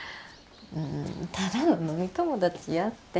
うんただの飲み友達やって。